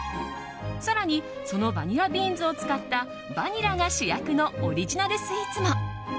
更にそのバニラビーンズを使ったバニラが主役のオリジナルスイーツも。